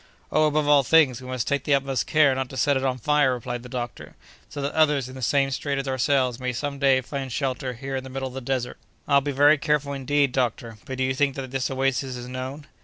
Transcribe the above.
"Oh! above all things, we must take the utmost care not to set it on fire," replied the doctor, "so that others in the same strait as ourselves may some day find shelter here in the middle of the desert." "I'll be very careful, indeed, doctor; but do you think that this oasis is known?"